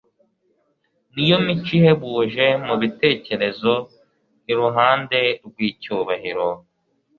ni yo mico ihebuje mu bitekerezo iruhande rw'icyubahiro